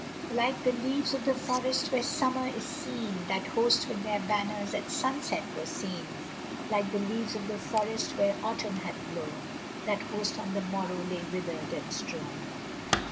Like the leaves of the forest when Summer is green, That host with their banners at sunset were seen; Like the leaves of the forest when Autumn hath blown, That host on the morrow lay withered and strown.